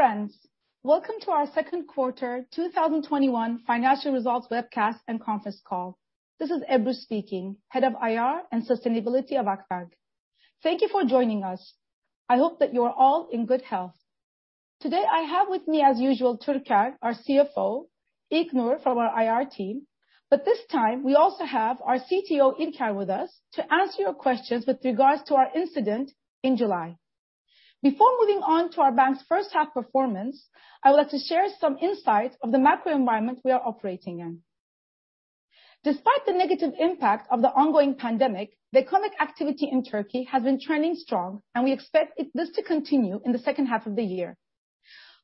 Dear friends, welcome to our second quarter 2021 financial results webcast and conference call. This is Ebru speaking, Head of IR and Sustainability of Akbank. Thank you for joining us. I hope that you are all in good health. Today, I have with me, as usual, Türker, our CFO, İlknur from our IR team, but this time we also have our CTO, Altıntaş, with us to answer your questions with regards to our incident in July. Before moving on to our bank's first half performance, I would like to share some insight of the macro environment we are operating in. Despite the negative impact of the ongoing pandemic, the economic activity in Turkey has been trending strong, and we expect this to continue in the second half of the year.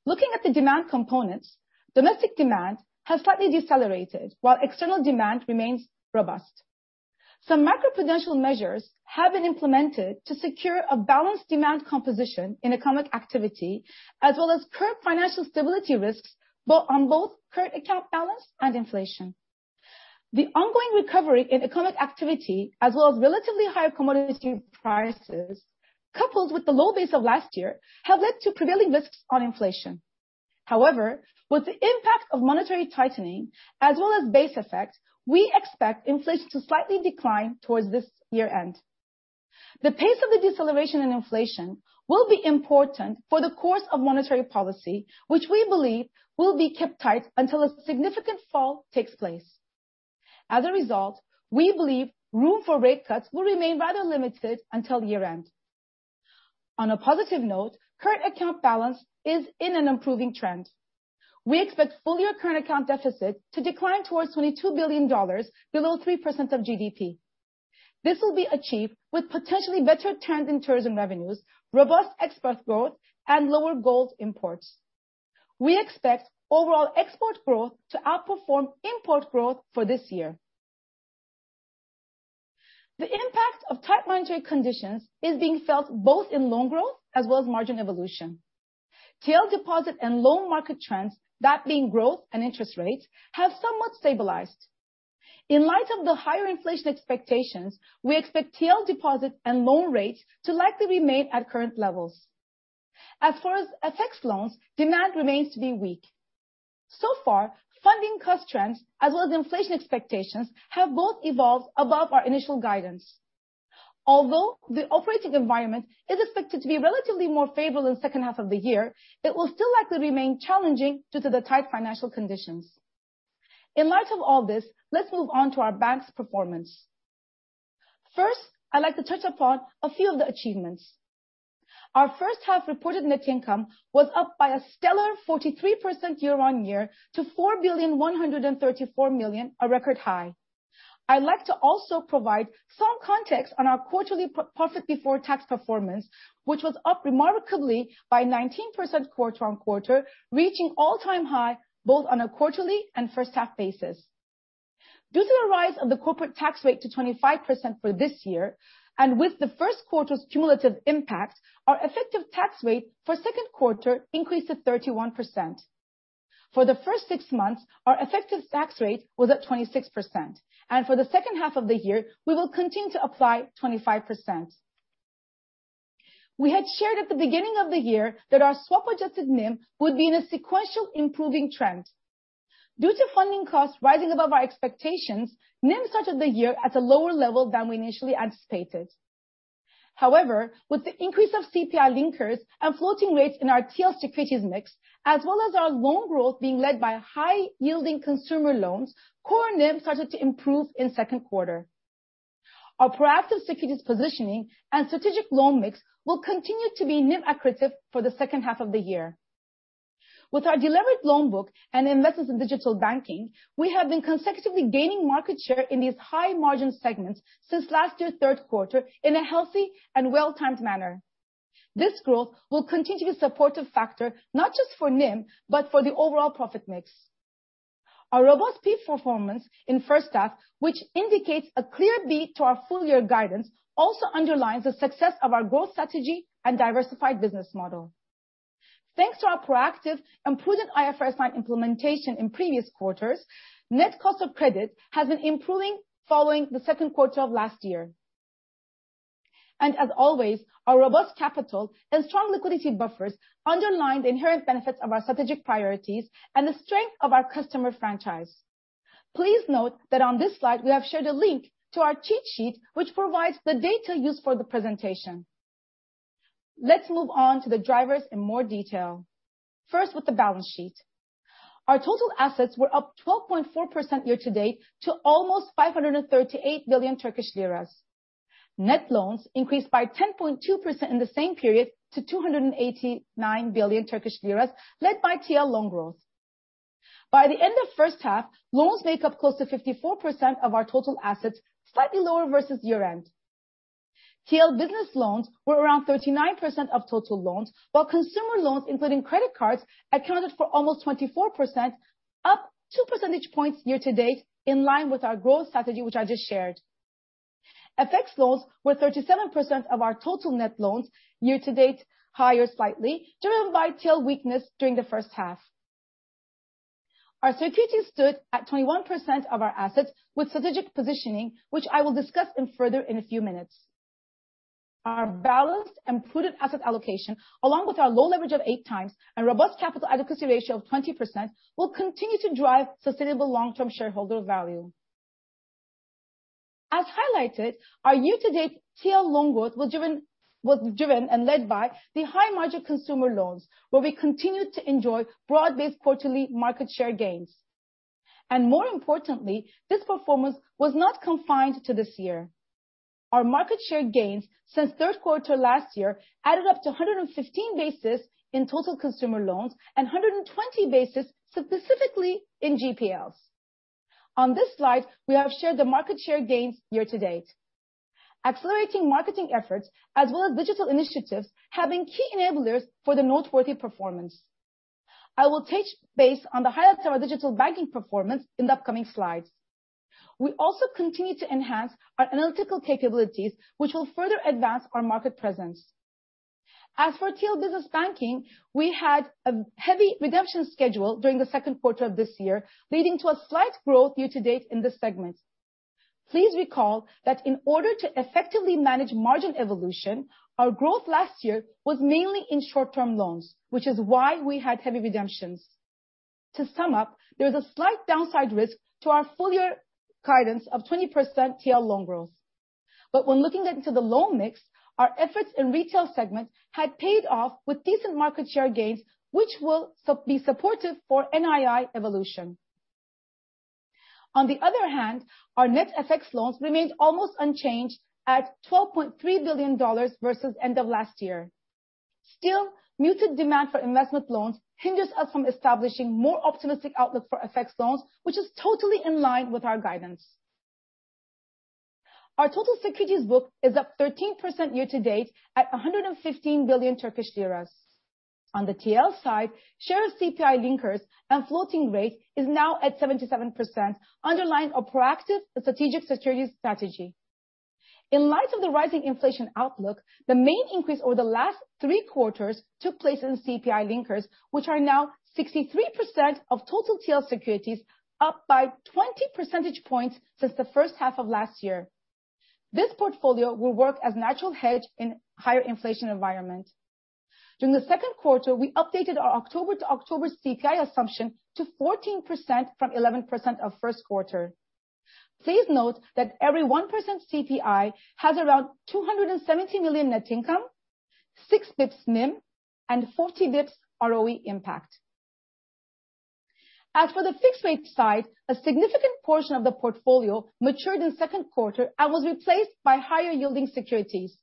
Looking at the demand components, domestic demand has slightly decelerated while external demand remains robust. Some macro-prudential measures have been implemented to secure a balanced demand composition in economic activity, as well as curb financial stability risks on both current account balance and inflation. The ongoing recovery in economic activity, as well as relatively higher commodity prices, coupled with the low base of last year, have led to prevailing risks on inflation. With the impact of monetary tightening as well as base effect, we expect inflation to slightly decline towards this year-end. The pace of the deceleration in inflation will be important for the course of monetary policy, which we believe will be kept tight until a significant fall takes place. We believe room for rate cuts will remain rather limited until year-end. On a positive note, current account balance is in an improving trend. We expect full-year current account deficit to decline towards $22 billion, below 3% of GDP. This will be achieved with potentially better trends in tourism revenues, robust export growth, and lower gold imports. We expect overall export growth to outperform import growth for this year. The impact of tight monetary conditions is being felt both in loan growth as well as margin evolution. TL deposit and loan market trends, that being growth and interest rates, have somewhat stabilized. In light of the higher inflation expectations, we expect TL deposit and loan rates to likely remain at current levels. As far as FX loans, demand remains to be weak. So far, funding cost trends as well as inflation expectations have both evolved above our initial guidance. Although the operating environment is expected to be relatively more favorable in the second half of the year, it will still likely remain challenging due to the tight financial conditions. In light of all this, let's move on to our bank's performance. First, I'd like to touch upon a few of the achievements. Our first half reported net income was up by a stellar 43% year-on-year to 4,134 million, a record high. I'd like to also provide some context on our quarterly profit before tax performance, which was up remarkably by 19% quarter-on-quarter, reaching all-time high both on a quarterly and first half basis. Due to the rise of the corporate tax rate to 25% for this year, with the first quarter's cumulative impact, our effective tax rate for second quarter increased to 31%. For the first six months, our effective tax rate was at 26%, and for the second half of the year, we will continue to apply 25%. We had shared at the beginning of the year that our swap-adjusted NIM would be in a sequential improving trend. Due to funding costs rising above our expectations, NIM started the year at a lower level than we initially anticipated. With the increase of CPI linkers and floating rates in our TL securities mix, as well as our loan growth being led by high-yielding consumer loans, core NIM started to improve in second quarter. Our proactive securities positioning and strategic loan mix will continue to be NIM accretive for the second half of the year. With our deliberate loan book and investments in digital banking, we have been consecutively gaining market share in these high margin segments since last year's third quarter in a healthy and well-timed manner. This growth will continue to be a supportive factor, not just for NIM, but for the overall profit mix. Our robust P&L performance in first half, which indicates a clear beat to our full-year guidance, also underlines the success of our growth strategy and diversified business model. Thanks to our proactive and prudent IFRS 9 implementation in previous quarters, net cost of credit has been improving following the second quarter of last year. As always, our robust capital and strong liquidity buffers underline the inherent benefits of our strategic priorities and the strength of our customer franchise. Please note that on this slide, we have shared a link to our cheat sheet, which provides the data used for the presentation. Let's move on to the drivers in more detail. First, with the balance sheet. Our total assets were up 12.4% year to date to almost 538 billion Turkish lira. Net loans increased by 10.2% in the same period to 289 billion Turkish lira, led by TL loan growth. By the end of first half, loans make up close to 54% of our total assets, slightly lower versus year-end. TL business loans were around 39% of total loans, while consumer loans, including credit cards, accounted for almost 24%, up 2 percentage points year to date in line with our growth strategy, which I just shared. FX loans were 37% of our total net loans year to date, higher slightly, driven by TL weakness during the first half. Our securities stood at 21% of our assets with strategic positioning, which I will discuss further in a few minutes. Our balanced and prudent asset allocation, along with our low leverage of eight times and robust capital adequacy ratio of 20%, will continue to drive sustainable long-term shareholder value. As highlighted, our year-to-date TL loan growth was driven and led by the high-margin consumer loans, where we continued to enjoy broad-based quarterly market share gains. More importantly, this performance was not confined to this year. Our market share gains since third quarter last year added up to 115 basis in total consumer loans and 120 basis specifically in GPLs. On this slide, we have shared the market share gains year to date. Accelerating marketing efforts as well as digital initiatives have been key enablers for the noteworthy performance. I will touch base on the highlights of our digital banking performance in the upcoming slides. We also continue to enhance our analytical capabilities, which will further advance our market presence. As for TL business banking, we had a heavy redemption schedule during the second quarter of this year, leading to a slight growth year to date in this segment. Please recall that in order to effectively manage margin evolution, our growth last year was mainly in short-term loans, which is why we had heavy redemptions. To sum up, there is a slight downside risk to our full year guidance of 20% TL loan growth. When looking into the loan mix, our efforts in retail segment had paid off with decent market share gains, which will be supportive for NII evolution. On the other hand, our net FX loans remained almost unchanged at $12.3 billion versus end of last year. Muted demand for investment loans hinders us from establishing more optimistic outlook for FX loans, which is totally in line with our guidance. Our total securities book is up 13% year-to-date at 115 billion Turkish lira. On the TL side, share of CPI linkers and floating rate is now at 77%, underlying a proactive strategic security strategy. In light of the rising inflation outlook, the main increase over the last three quarters took place in CPI linkers, which are now 63% of total TL securities, up by 20 percentage points since the first half of last year. This portfolio will work as natural hedge in higher inflation environment. During the second quarter, we updated our October to October CPI assumption to 14% from 11% of first quarter. Please note that every 1% CPI has around 270 million net income, 6 basis points NIM, and 40 basis points ROE impact. As for the fixed rate side, a significant portion of the portfolio matured in second quarter and was replaced by higher yielding securities.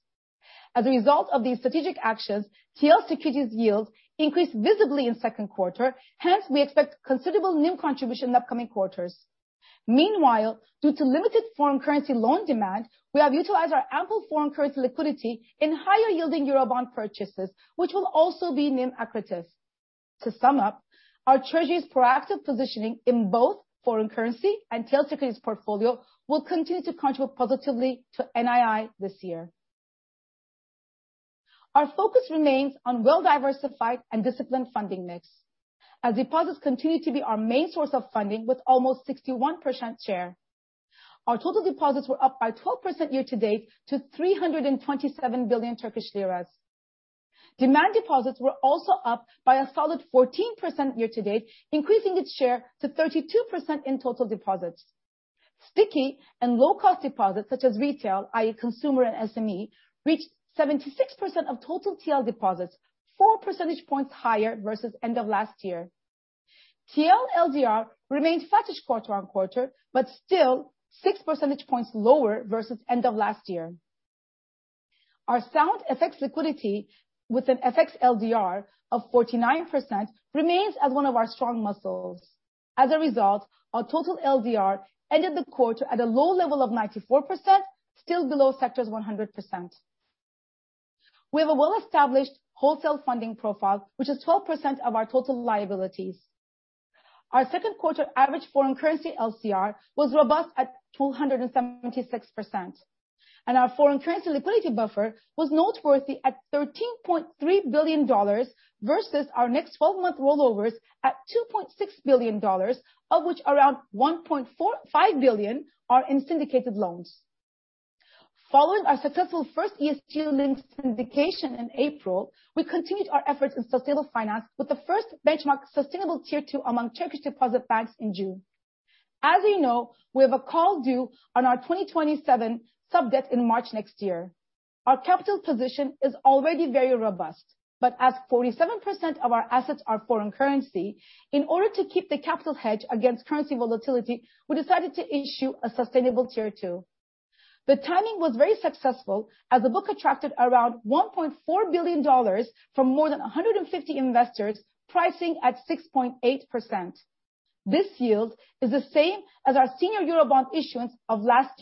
As a result of these strategic actions, TL securities yield increased visibly in second quarter, hence we expect considerable NIM contribution in upcoming quarters. Meanwhile, due to limited foreign currency loan demand, we have utilized our ample foreign currency liquidity in higher yielding Eurobond purchases, which will also be NIM accretive. To sum up, our Treasury's proactive positioning in both foreign currency and TL securities portfolio will continue to contribute positively to NII this year. Our focus remains on well-diversified and disciplined funding mix, as deposits continue to be our main source of funding with almost 61% share. Our total deposits were up by 12% year-to-date to 327 billion Turkish lira. Demand deposits were also up by a solid 14% year-to-date, increasing its share to 32% in total deposits. Sticky and low-cost deposits such as retail, i.e. consumer and SME, reached 76% of total TL deposits, 4 percentage points higher versus end of last year. TL LDR remained quarter on quarter, but still 6 percentage points lower versus end of last year. Our sound FX liquidity with an FX LDR of 49% remains as one of our strong muscles. As a result, our total LDR ended the quarter at a low level of 94%, still below sector's 100%. We have a well-established wholesale funding profile, which is 12% of our total liabilities. Our second quarter average foreign currency LCR was robust at 276%. Our foreign currency liquidity buffer was noteworthy at $13.3 billion versus our next 12-month rollovers at $2.6 billion, of which around $1.5 billion are in syndicated loans. Following our successful first ESG linked syndication in April, we continued our efforts in sustainable finance with the first benchmark sustainable Tier 2 among Turkish deposit banks in June. As you know, we have a call due on our 2027 sub-debt in March next year. Our capital position is already very robust, but as 47% of our assets are foreign currency, in order to keep the capital hedge against currency volatility, we decided to issue a sustainable Tier 2. The timing was very successful as the book attracted around $1.4 billion from more than 150 investors, pricing at 6.8%. This yield is the same as our senior Eurobond issuance of last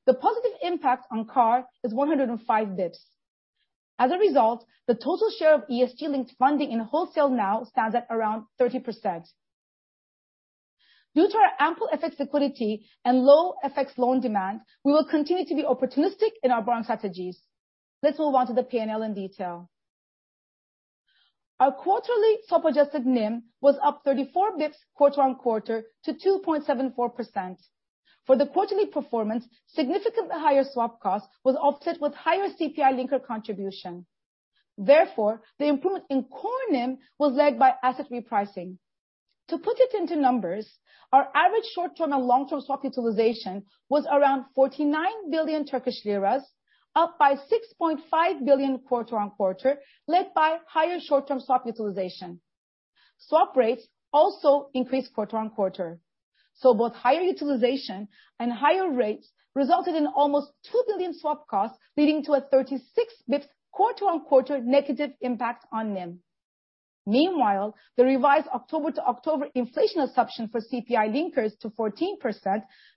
year, July. The positive impact on CAR is 105 basis points. As a result, the total share of ESG-linked funding in wholesale now stands at around 30%. Due to our ample FX liquidity and low FX loan demand, we will continue to be opportunistic in our bond strategies. Let's move on to the P&L in detail. Our quarterly swap-adjusted NIM was up 34 basis points quarter-on-quarter to 2.74%. For the quarterly performance, significantly higher swap cost was offset with higher CPI linker contribution. Therefore, the improvement in core NIM was led by asset repricing. To put it into numbers, our average short-term and long-term swap utilization was around 49 billion Turkish lira, up by 6.5 billion quarter-on-quarter, led by higher short-term swap utilization. Swap rates also increased quarter-on-quarter. Both higher utilization and higher rates resulted in almost 2 billion swap costs, leading to a 36 basis points quarter-on-quarter negative impact on NIM. Meanwhile, the revised October to October inflation assumption for CPI linkers to 14%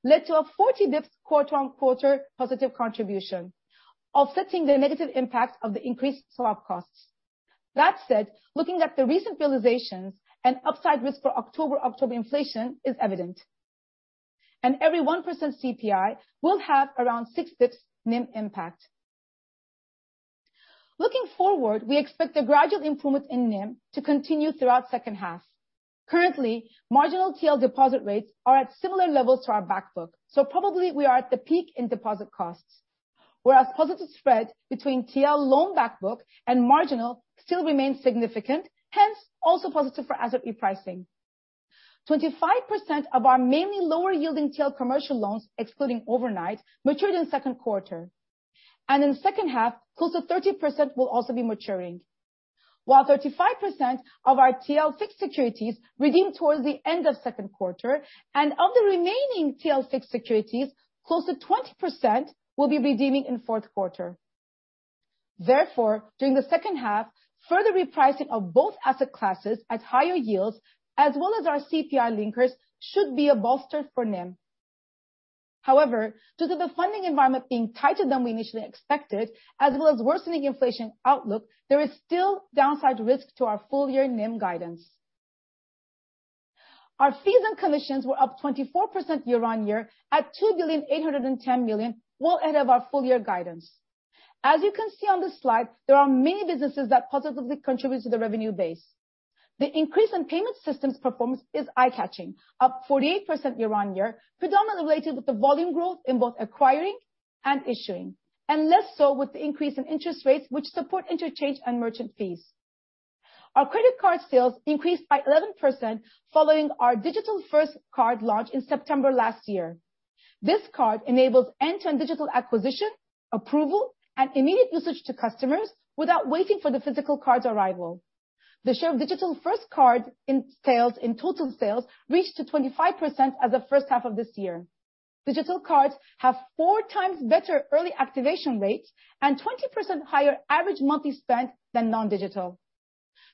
led to a 40 basis points quarter-on-quarter positive contribution, offsetting the negative impact of the increased swap costs. That said, looking at the recent realizations, an upside risk for October inflation is evident. Every 1% CPI will have around 6 basis points NIM impact. Looking forward, we expect a gradual improvement in NIM to continue throughout second half. Currently, marginal TL deposit rates are at similar levels to our back book, probably we are at the peak in deposit costs. Positive spread between TL loan back book and marginal still remains significant, hence also positive for asset repricing. 25% of our mainly lower yielding TL commercial loans, excluding overnight, matured in second quarter. In the second half, close to 30% will also be maturing. While 35% of our TL fixed securities redeemed towards the end of second quarter, and of the remaining TL fixed securities, close to 20% will be redeeming in fourth quarter. During the second half, further repricing of both asset classes at higher yields as well as our CPI linkers should be a bolster for NIM. Due to the funding environment being tighter than we initially expected, as well as worsening inflation outlook, there is still downside risk to our full year NIM guidance. Our fees and commissions were up 24% year-on-year at 2.81 billion. Well ahead of our full year guidance. As you can see on this slide, there are many businesses that positively contribute to the revenue base. The increase in payment systems performance is eye-catching, up 48% year on year, predominantly related with the volume growth in both acquiring and issuing, and less so with the increase in interest rates which support interchange and merchant fees. Our credit card sales increased by 11% following our digital-first card launch in September last year. This card enables end-to-end digital acquisition, approval, and immediate usage to customers without waiting for the physical card's arrival. The share of digital-first card in total sales reached to 25% as of first half of this year. Digital cards have four times better early activation rate and 20% higher average monthly spend than non-digital.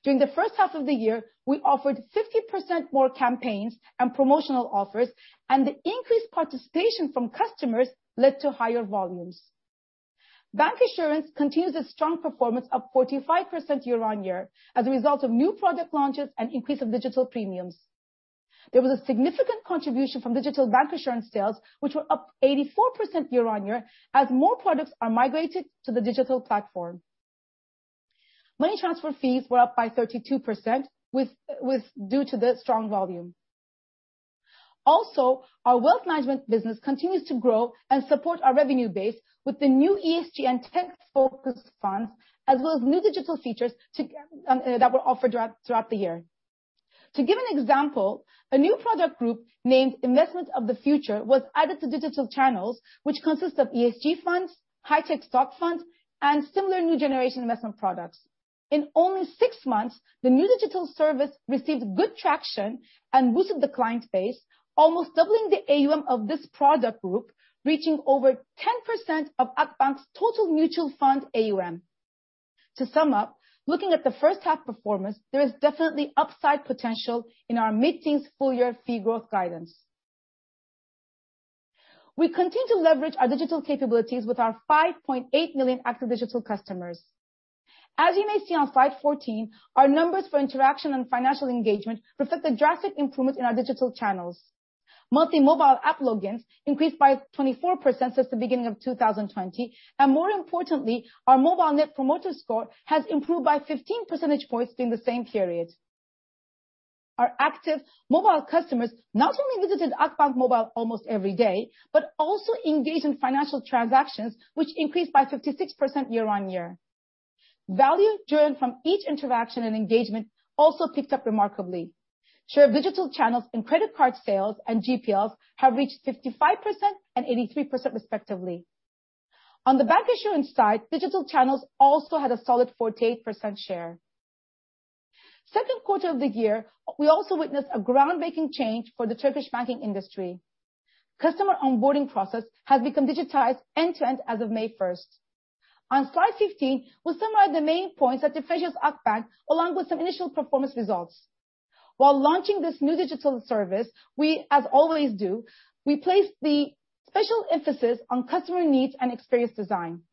During the first half of the year, we offered 50% more campaigns and promotional offers, and the increased participation from customers led to higher volumes. Bank insurance continues its strong performance up 45% year on year as a result of new product launches and increase of digital premiums. There was a significant contribution from digital bank insurance sales, which were up 84% year on year as more products are migrated to the digital platform. Money transfer fees were up by 32% due to the strong volume. Our wealth management business continues to grow and support our revenue base with the new ESG and tech-focused funds, as well as new digital features that were offered throughout the year. To give an example, a new product group named Investments of the Future was added to digital channels, which consists of ESG funds, high-tech stock funds, and similar new generation investment products. In only six months, the new digital service received good traction and boosted the client base, almost doubling the AUM of this product group, reaching over 10% of Akbank's total mutual fund AUM. To sum up, looking at the first half performance, there is definitely upside potential in our mid-teens full year fee growth guidance. We continue to leverage our digital capabilities with our 5.8 million active digital customers. As you may see on slide 14, our numbers for interaction and financial engagement reflect a drastic improvement in our digital channels. Monthly mobile app logins increased by 24% since the beginning of 2020, and more importantly, our mobile Net Promoter Score has improved by 15 percentage points during the same period. Our active mobile customers not only visited Akbank Mobile almost every day, but also engage in financial transactions which increased by 56% year-on-year. Value driven from each interaction and engagement also picked up remarkably. Share of digital channels in credit card sales and GPLs have reached 55% and 83% respectively. On the bank insurance side, digital channels also had a solid 48% share. Second quarter of the year, we also witnessed a groundbreaking change for the Turkish banking industry. Customer onboarding process has become digitized end to end as of May 1st. On slide 15, we'll summarize the main points that differentiates Akbank along with some initial performance results. While launching this new digital service, as always do, we place the special emphasis on customer needs and experience design.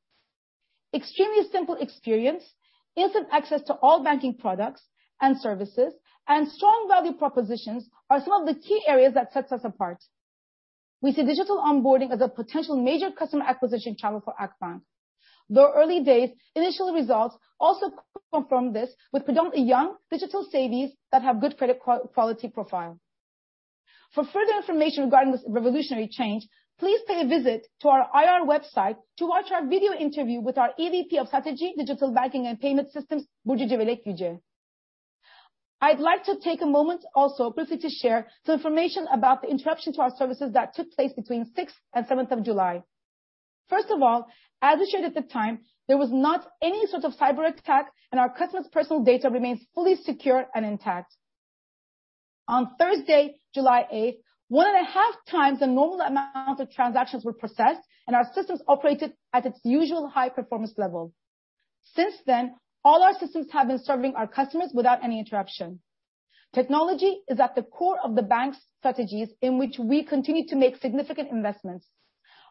Extremely simple experience, instant access to all banking products and services, and strong value propositions are some of the key areas that sets us apart. We see digital onboarding as a potential major customer acquisition channel for Akbank. Though early days, initial results also confirm this with predominantly young digital savings that have good credit quality profile. For further information regarding this revolutionary change, please pay a visit to our IR website to watch our video interview with our EVP of Strategy, Digital Banking and Payment Systems, Burcu Civelek Yüce. I'd like to take a moment also briefly to share some information about the interruption to our services that took place between 6th and 7th of July. As we shared at the time, there was not any sort of cyber attack, and our customers' personal data remains fully secure and intact. On Thursday, July 8th, 1.5 times the normal amount of transactions were processed, and our systems operated at its usual high-performance level. Since then, all our systems have been serving our customers without any interruption. Technology is at the core of the bank's strategies in which we continue to make significant investments.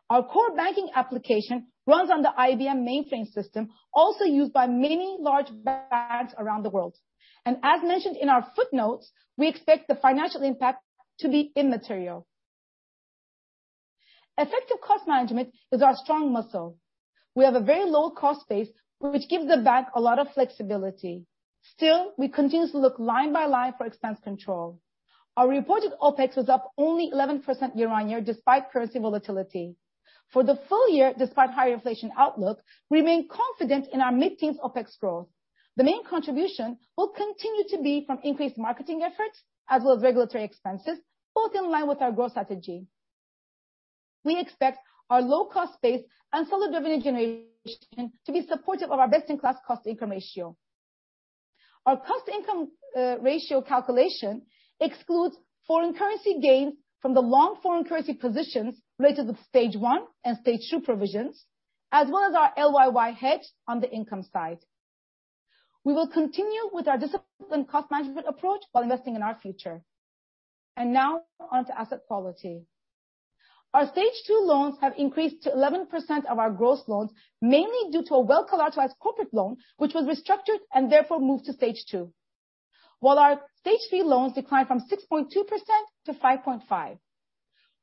Our core banking application runs on the IBM mainframe system, also used by many large banks around the world. As mentioned in our footnotes, we expect the financial impact to be immaterial. Effective cost management is our strong muscle. We have a very low cost base, which gives the bank a lot of flexibility. Still, we continue to look line by line for expense control. Our reported OpEx was up only 11% year-on-year, despite currency volatility. For the full year, despite higher inflation outlook, we remain confident in our mid-teens OpEx growth. The main contribution will continue to be from increased marketing efforts as well as regulatory expenses, both in line with our growth strategy. We expect our low-cost base and solid revenue generation to be supportive of our best-in-class cost-income ratio. Our cost-income ratio calculation excludes foreign currency gains from the long foreign currency positions related to Stage 1 and Stage 2 provisions, as well as our LYY hedge on the income side. We will continue with our disciplined cost management approach while investing in our future. Now on to asset quality. Our Stage 2 loans have increased to 11% of our gross loans, mainly due to a well-collateralized corporate loan, which was restructured and therefore moved to Stage 2. While our Stage 3 loans declined from 6.2% to 5.5%.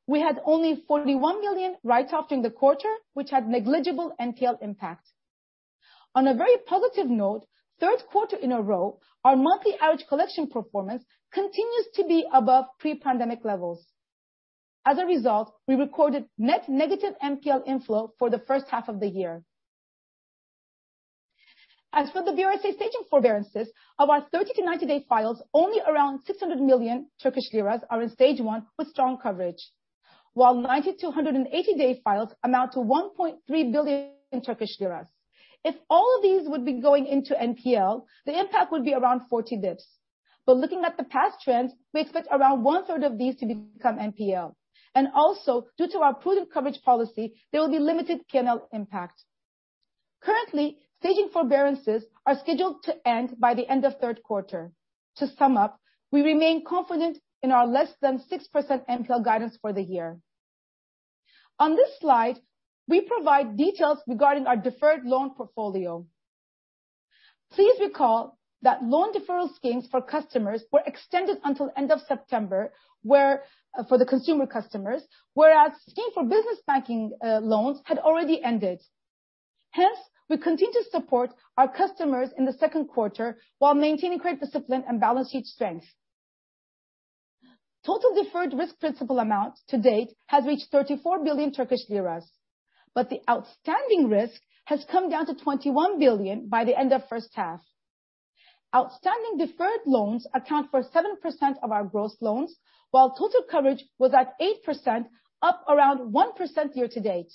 We had only 41 million write-off during the quarter, which had negligible NPL impact. On a very positive note, third quarter in a row, our monthly average collection performance continues to be above pre-pandemic levels. As a result, we recorded net negative NPL inflow for the first half of the year. As for the BRSA staging forbearances, of our 30 to 90-day files, only around 600 million Turkish lira are in Stage 1 with strong coverage. 90 to 180-day files amount to 1.3 billion Turkish lira. If all of these would be going into NPL, the impact would be around 40 basis points. Looking at the past trends, we expect around one-third of these to become NPL. Also, due to our prudent coverage policy, there will be limited capital impact. Currently, staging forbearances are scheduled to end by the end of third quarter. To sum up, we remain confident in our less than 6% NPL guidance for the year. On this slide, we provide details regarding our deferred loan portfolio. Please recall that loan deferral schemes for customers were extended until end of September, where for the consumer customers, whereas scheme for business banking loans had already ended. Hence, we continue to support our customers in the second quarter while maintaining credit discipline and balance sheet strength. Total deferred risk principal amount to date has reached 34 billion Turkish lira, the outstanding risk has come down to 21 billion by the end of first half. Outstanding deferred loans account for 7% of our gross loans, while total coverage was at 8%, up around 1% year-to-date.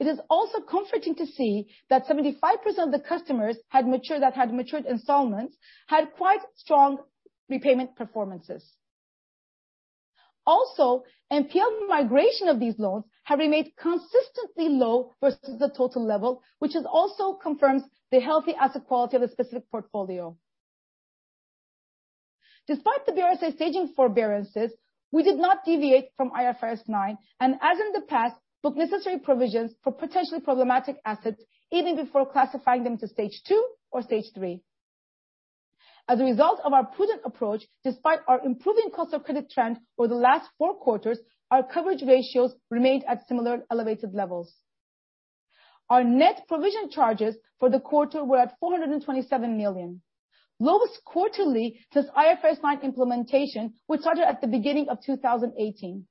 It is also comforting to see that 75% of the customers that had matured installments had quite strong repayment performances. NPL migration of these loans have remained consistently low versus the total level, which is also confirms the healthy asset quality of the specific portfolio. Despite the BRSA staging forbearances, we did not deviate from IFRS 9, as in the past, booked necessary provisions for potentially problematic assets even before classifying them to Stage 2 or Stage 3. As a result of our prudent approach, despite our improving cost of credit trend over the last four quarters, our coverage ratios remained at similar elevated levels. Our net provision charges for the quarter were at 427 million. Lowest quarterly since IFRS 9 implementation, which started at the beginning of 2018.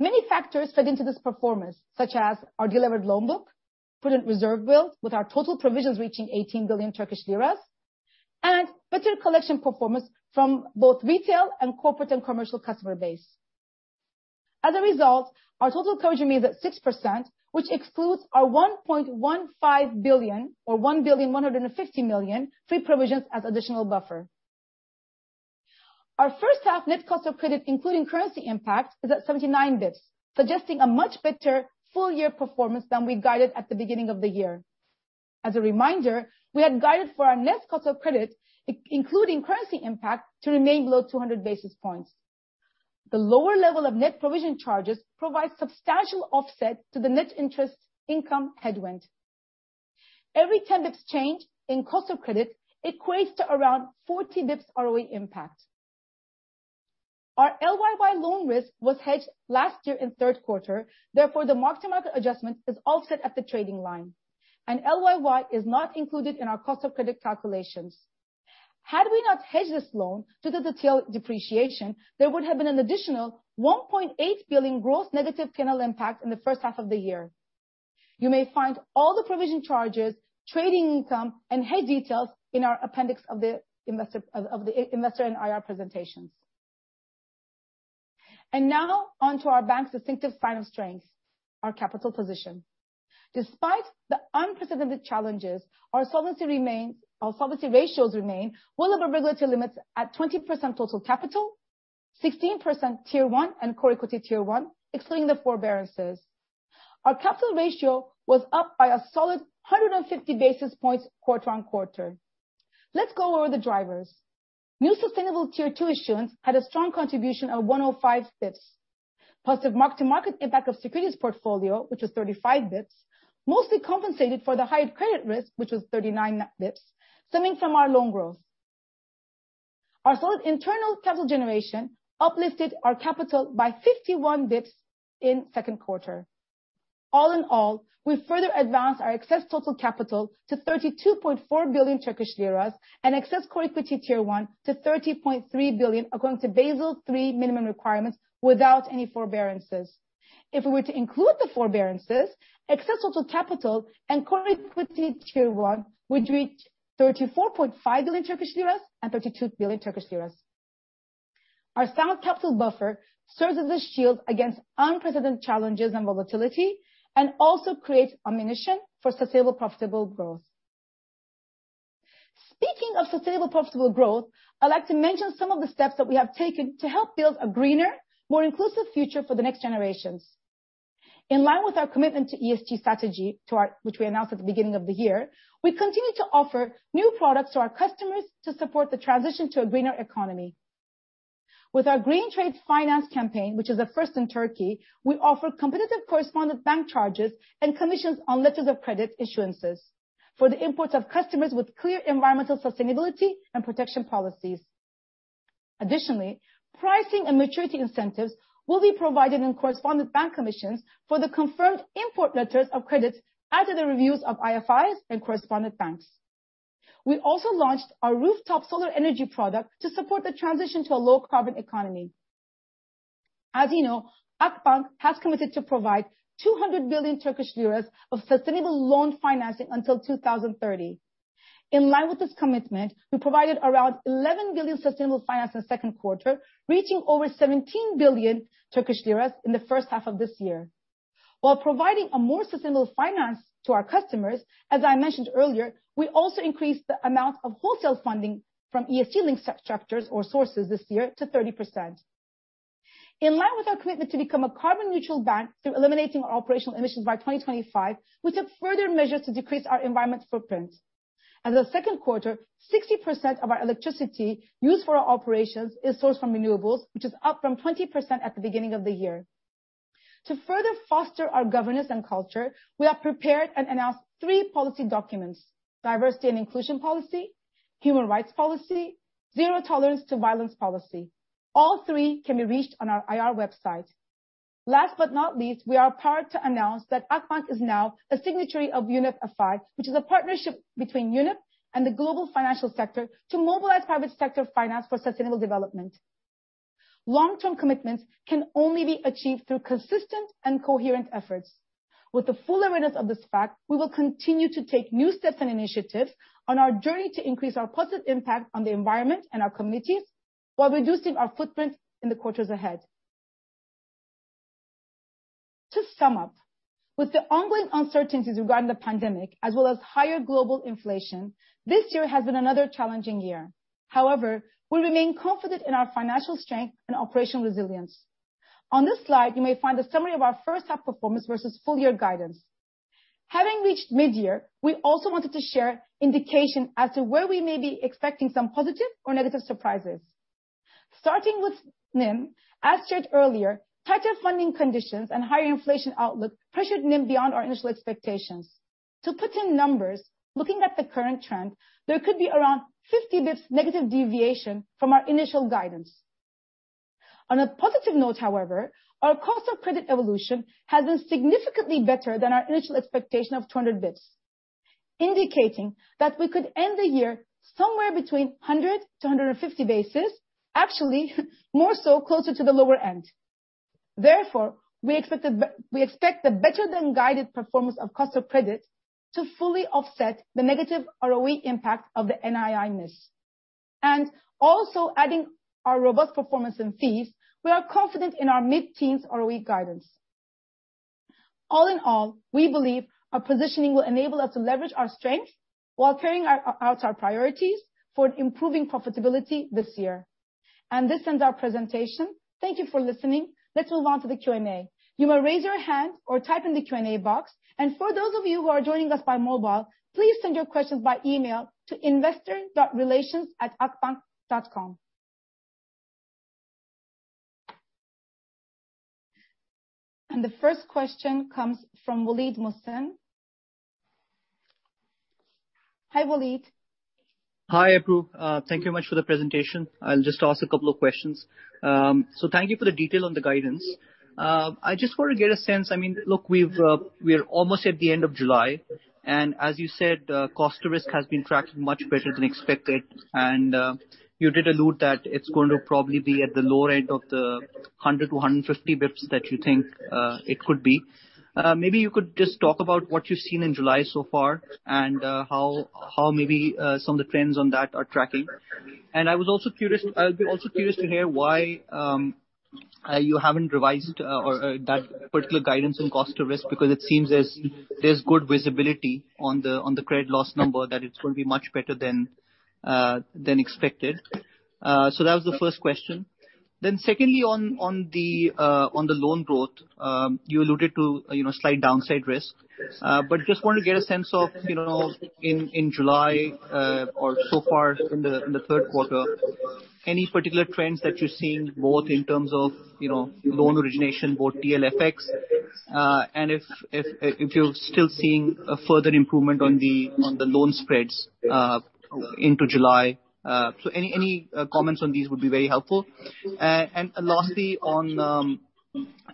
Many factors fed into this performance, such as our delivered loan book, prudent reserve builds with our total provisions reaching 18 billion Turkish lira, and better collection performance from both retail and corporate and commercial customer base. As a result, our total coverage remains at 6%, which excludes our 1.15 billion or 1 billion, 150 million free provisions as additional buffer. Our first half net cost of credit, including currency impact, is at 79 basis points, suggesting a much better full year performance than we guided at the beginning of the year. As a reminder, we had guided for our net cost of credit, including currency impact, to remain below 200 basis points. The lower level of net provision charges provides substantial offset to the net interest income headwind. Every 10 basis points change in cost of credit equates to around 40 basis points ROE impact. Our LYY loan risk was hedged last year in third quarter, therefore, the mark-to-market adjustment is offset at the trading line. LYY is not included in our cost of credit calculations. Had we not hedged this loan due to the TL depreciation, there would have been an additional 1.8 billion gross negative P&L impact in the first half of the year. You may find all the provision charges, trading income, and hedge details in our appendix of the investor and IR presentations. Now, onto our bank's distinctive final strength, our capital position. Despite the unprecedented challenges, our solvency ratios remain well above regulatory limits at 20% total capital, 16% Tier 1 and Core Equity Tier 1, excluding the forbearances. Our capital ratio was up by a solid 150 basis points quarter-on-quarter. Let's go over the drivers. New sustainable Tier 2 issuance had a strong contribution of 105 basis points. Positive mark-to-market impact of securities portfolio, which was 35 basis points, mostly compensated for the higher credit risk, which was 39 basis points, stemming from our loan growth. Our solid internal capital generation uplifted our capital by 51 basis points in second quarter. All in all, we further advanced our excess total capital to 32.4 billion Turkish lira and excess Core Equity Tier 1 to 30.3 billion according to Basel III minimum requirements without any forbearances. If we were to include the forbearances, excess total capital and Core Equity Tier 1 would reach 34.5 billion Turkish lira and 32 billion Turkish lira. Our sound capital buffer serves as a shield against unprecedented challenges and volatility and also creates ammunition for sustainable profitable growth. Speaking of sustainable profitable growth, I'd like to mention some of the steps that we have taken to help build a greener, more inclusive future for the next generations. In line with our commitment to ESG strategy, which we announced at the beginning of the year, we continue to offer new products to our customers to support the transition to a greener economy. With our Green Trade Finance campaign, which is a first in Turkey, we offer competitive correspondent bank charges and commissions on letters of credit insurances for the imports of customers with clear environmental sustainability and protection policies. Additionally, pricing and maturity incentives will be provided in correspondent bank commissions for the confirmed import letters of credit after the reviews of IFIs and correspondent banks. We also launched our rooftop solar energy product to support the transition to a low-carbon economy. As you know, Akbank has committed to provide 200 billion Turkish lira of sustainable loan financing until 2030. In line with this commitment, we provided around 11 billion sustainable finance in the second quarter, reaching over 17 billion Turkish lira in the first half of this year. While providing a more sustainable finance to our customers, as I mentioned earlier, we also increased the amount of wholesale funding from ESG-linked structures or sources this year to 30%. In line with our commitment to become a carbon-neutral bank through eliminating our operational emissions by 2025, we took further measures to decrease our environmental footprint. As of the second quarter, 60% of our electricity used for our operations is sourced from renewables, which is up from 20% at the beginning of the year. To further foster our governance and culture, we have prepared and announced three policy documents: Diversity and Inclusion Policy, Human Rights Policy, Zero Tolerance to Violence Policy. All three can be reached on our IR website. Last but not least, we are proud to announce that Akbank is now a signatory of UNEP FI, which is a partnership between UNEP and the global financial sector to mobilize private sector finance for sustainable development. Long-term commitments can only be achieved through consistent and coherent efforts. With the full awareness of this fact, we will continue to take new steps and initiatives on our journey to increase our positive impact on the environment and our communities while reducing our footprint in the quarters ahead. To sum up, with the ongoing uncertainties regarding the pandemic, as well as higher global inflation, this year has been another challenging year. We remain confident in our financial strength and operational resilience. On this slide, you may find a summary of our first half performance versus full-year guidance. Having reached mid-year, we also wanted to share indication as to where we may be expecting some positive or negative surprises. Starting with NIM, as shared earlier, tighter funding conditions and higher inflation outlook pressured NIM beyond our initial expectations. To put in numbers, looking at the current trend, there could be around 50 basis points negative deviation from our initial guidance. On a positive note, however, our cost of credit evolution has been significantly better than our initial expectation of 200 basis points, indicating that we could end the year somewhere between 100 basis points-150 basis points, actually, more so closer to the lower end. We expect the better-than-guided performance of cost of credit to fully offset the negative ROE impact of the NII miss. Also adding our robust performance in fees, we are confident in our mid-teens ROE guidance. All in all, we believe our positioning will enable us to leverage our strength while carrying out our priorities for improving profitability this year. This ends our presentation. Thank you for listening. Let's move on to the Q&A. You may raise your hand or type in the Q&A box. For those of you who are joining us by mobile, please send your questions by email to investor.relations@akbank.com. The first question comes from Waleed Mohsin. Hi, Waleed. Hi, Ebru. Thank you very much for the presentation. I'll just ask two questions. Thank you for the detail on the guidance. I just want to get a sense, look, we're almost at the end of July, and as you said, cost to risk has been tracking much better than expected. You did allude that it's going to probably be at the lower end of the 100 basis points-150 basis points that you think it could be. Maybe you could just talk about what you've seen in July so far and how maybe some of the trends on that are tracking. I'll be also curious to hear why you haven't revised or that particular guidance on cost to risk because it seems as there's good visibility on the credit loss number that it's going to be much better than expected. That was the first question. Secondly, on the loan growth, you alluded to slight downside risk. Just wanted to get a sense of, in July or so far in the third quarter, any particular trends that you're seeing both in terms of loan origination, both TL FX, and if you're still seeing a further improvement on the loan spreads into July. Any comments on these would be very helpful. Lastly, on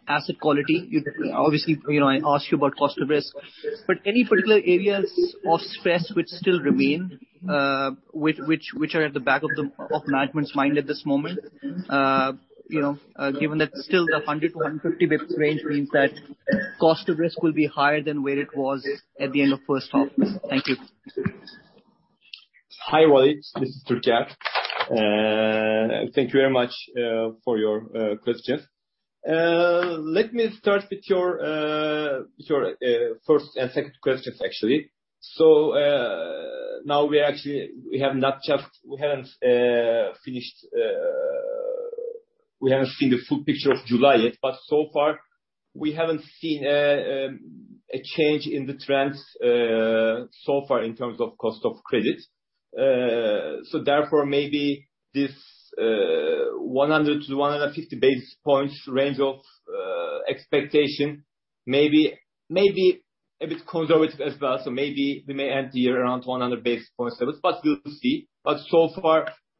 asset quality, I ask you about cost of credit, but any particular areas of stress which still remain, which are at the back of management's mind at this moment, given that still the 100 basis points-150 basis points range means that cost of credit will be higher than where it was at the end of first half. Thank you. Hi, Waleed. This is Türker. Thank you very much for your questions. Let me start with your first and second questions, actually. We haven't seen the full picture of July yet, we haven't seen a change in the trends so far in terms of cost of credit. Maybe this 100 basis points-150 basis points range of expectation may be a bit conservative as well. Maybe we may end the year around 100 basis points levels, we'll see.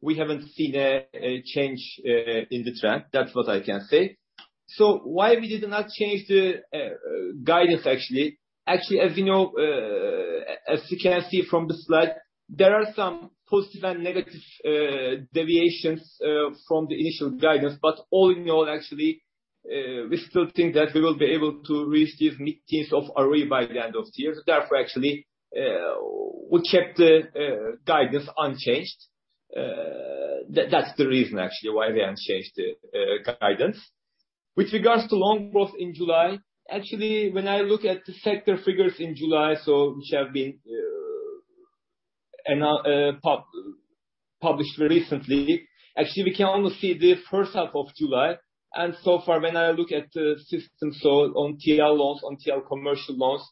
We haven't seen a change in the trend. That's what I can say. Why we did not change the guidance, actually. As you can see from the slide, there are some positive and negative deviations from the initial guidance. All in all, actually, we still think that we will be able to reach this mid-teens of ROE by the end of the year. Therefore, actually, we kept the guidance unchanged. That's the reason, actually, why we unchanged the guidance. With regards to loan growth in July, actually, when I look at the sector figures in July, which have been published recently. Actually, we can only see the first half of July. So far, when I look at the system, so on TL loans, on TL commercial loans,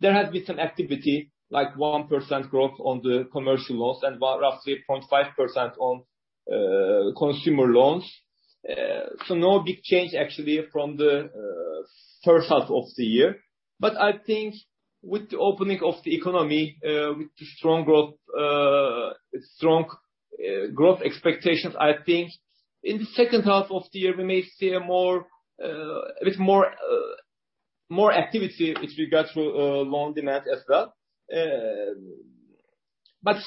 there has been some activity like 1% growth on the commercial loans and roughly 0.5% on consumer loans. No big change actually from the first half of the year. I think with the opening of the economy, with the strong growth expectations, I think in the second half of the year, we may see a bit more activity with regards to loan demand as well.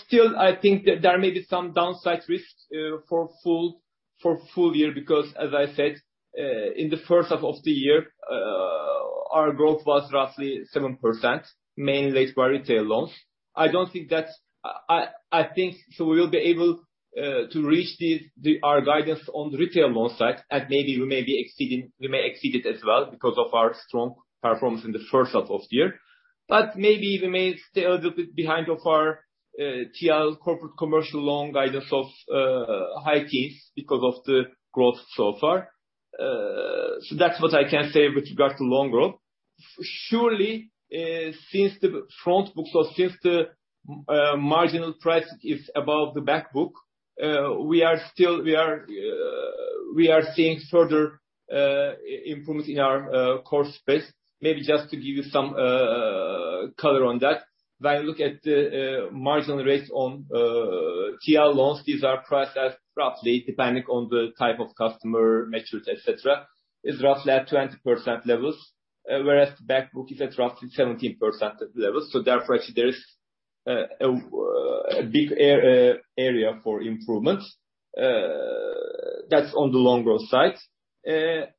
Still, I think there may be some downside risks for full year because as I said, in the first half of the year, our growth was roughly 7%, mainly led by retail loans. I think we will be able to reach our guidance on the retail loan side, and maybe we may exceed it as well because of our strong performance in the first half of the year. Maybe we may stay a little bit behind of our TL corporate commercial loan guidance of high teens because of the growth so far. That's what I can say with regards to loan growth. Since the front book or since the marginal price is above the back book, we are seeing further improvements in our core space. Maybe just to give you some color on that. When I look at the marginal rates on TL loans, these are priced as roughly depending on the type of customer metrics, et cetera, is roughly at 20% levels, whereas the back book is at roughly 17% levels. Therefore, actually there is a big area for improvement. That's on the loan growth side.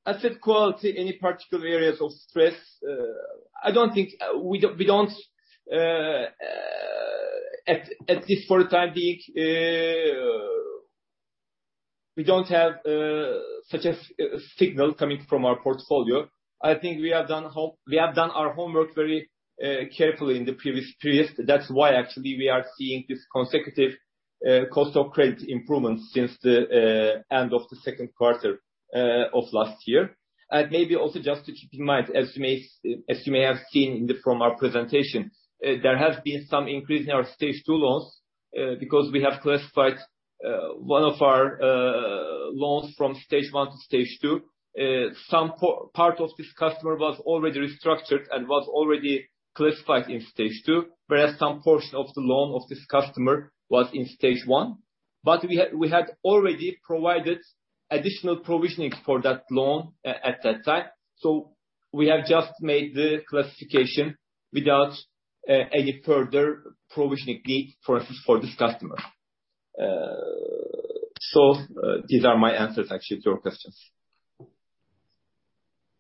Asset quality, any particular areas of stress, at least for the time being, we don't have such a signal coming from our portfolio. I think we have done our homework very carefully in the previous periods. That's why actually we are seeing this consecutive cost of credit improvements since the end of the second quarter of last year. Maybe also just to keep in mind, as you may have seen from our presentation, there has been some increase in our Stage 2 loans because we have classified one of our loans from Stage 1 to Stage 2. Some part of this customer was already restructured and was already classified in Stage 2, whereas some portion of the loan of this customer was in Stage 1. We had already provided additional provisionings for that loan at that time. We have just made the classification without any further provisioning need for this customer. These are my answers, actually, to your questions.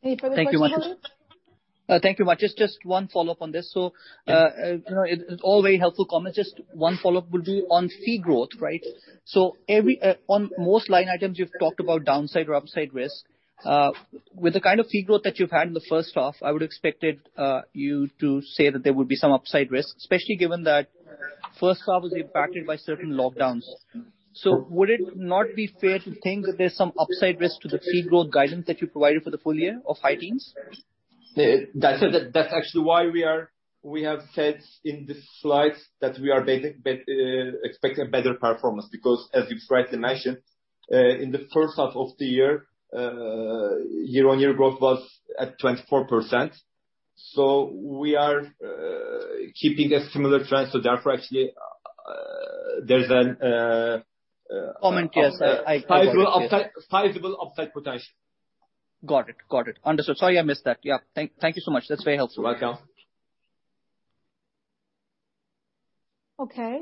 Any further questions, Waleed? Thank you much. Just one follow-up on this. All very helpful comments. Just one follow-up would be on fee growth, right? On most line items, you've talked about downside or upside risk. With the kind of fee growth that you've had in the first half, I would expected you to say that there would be some upside risk, especially given that first half was impacted by certain lockdowns. Would it not be fair to think that there's some upside risk to the fee growth guidance that you provided for the full year of high teens? That's actually why we have said in the slides that we are expecting a better performance, because as you correctly mentioned, in the first half of the year-on-year growth was at 24%. We are keeping a similar trend. Yes. I got it. sizable upside potential. Got it. Understood. Sorry, I missed that. Yeah. Thank you so much. That is very helpful. You're welcome. Okay.